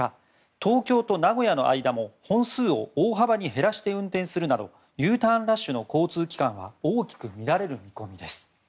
東京と名古屋の間も本数を大幅に減らして運転するなどＵターンラッシュの交通機関は大きく乱れる見込みです。